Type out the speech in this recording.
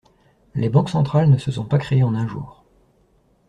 Les Banques Centrales ne se sont pas créées en un jour.